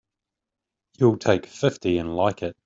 You'll take fifty and like it!